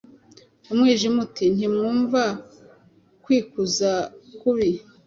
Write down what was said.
Umwijima uti:“Ntiwumva kwikuza kubi!